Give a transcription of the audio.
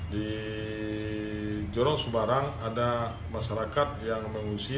di jorong subarang ada masyarakat yang mengungsi